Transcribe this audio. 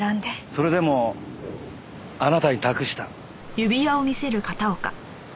それでもあなたに託したこれを。